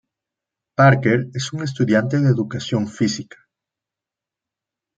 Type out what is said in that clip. Parker es estudiante de Educación Física.